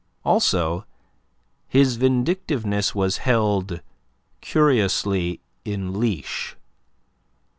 Also his vindictiveness was held curiously in leash.